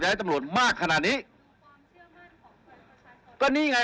ถ้าเธอไม่ปลูกกระดมมันก็ไม่มี